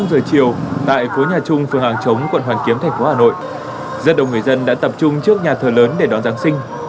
năm giờ chiều tại phố nhà trung phường hàng chống quận hoàn kiếm thành phố hà nội rất đông người dân đã tập trung trước nhà thờ lớn để đón giáng sinh